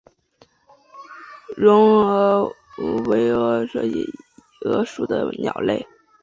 绒额䴓为䴓科䴓属的鸟类。